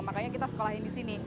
makanya kita sekolahin di sini